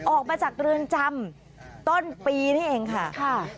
ออกมาจากเรือนจำต้นปีนี่เองค่ะ